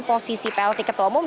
posisi plt ketua umum